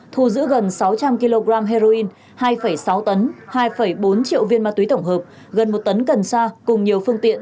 thu giữ gần sáu trăm linh kg heroin hai sáu tấn hai bốn triệu viên ma túy tổng hợp gần một tấn cần sa cùng nhiều phương tiện